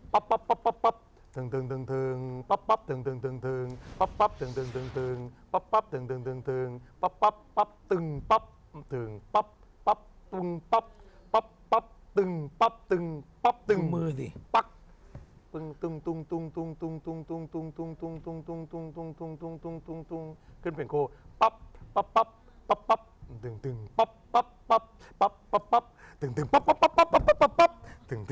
ป๊อปป๊อปป๊อปป๊อปตึงตึงตึงป๊อปป๊อปตึงตึงตึงป๊อปป๊อปตึงตึงตึงป๊อปป๊อปตึงป๊อปตึงป๊อปป๊อปตึงป๊อปตึงป๊อปตึงป๊อปตึงป๊อปตึงป๊อปตึงป๊อปตึงป๊อปตึงป๊อปตึงป๊อปตึงป๊อปตึงป๊อปตึงป๊อปตึงป๊อปตึง